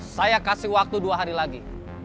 saya kasih waktu dua hari lagi